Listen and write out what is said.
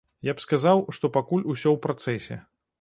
Я б сказаў, што пакуль усё ў працэсе.